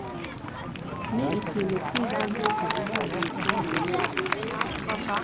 Ni ikintu cy ibanze kigize imicungire inoze